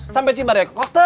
sampe cibar ya kok te